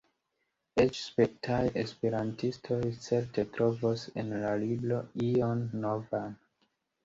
Eĉ spertaj esperantistoj certe trovos en la libro ion novan.